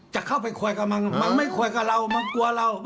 จะเข้าไปคุยกับมันมันไม่คุยกับเรามันกลัวเรา